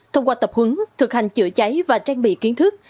thông qua tập hướng thực hành chữa cháy và trang bị kiến thức